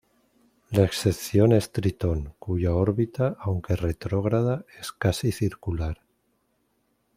La excepción es Tritón, cuya órbita, aunque retrógrada, es casi circular.